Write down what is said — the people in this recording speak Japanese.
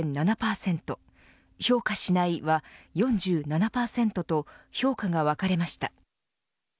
評価しないは４７％と評価が分かれました。